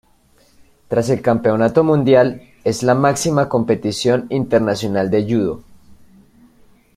Tras el Campeonato Mundial, es la máxima competición internacional de yudo.